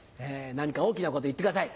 何か大きなこと言ってください。